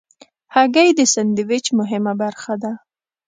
هګۍ د سندویچ مهمه برخه ده.